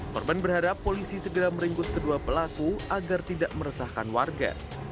korban berharap polisi segera meringkus kedua pelaku agar tidak meresahkan warga